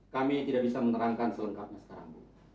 kami tidak bisa menerangkan selengkapnya sekarang